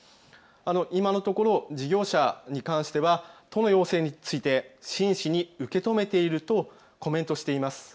今のところ事業者に関しては都の要請について真摯に受け止めているとコメントしています。